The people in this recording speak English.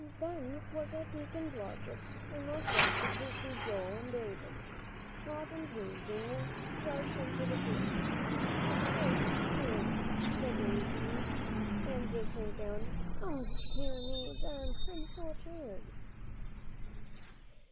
Ben was at Deacon Blodgett's, and looked up to see Joel and David, hot and panting, rush into the field. "I'm so tired," said Davie, and sank down; "O dear me, Ben, I'm so tired."